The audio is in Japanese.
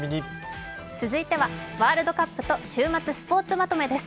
続いてはワールドカップと週末スポーツまとめです。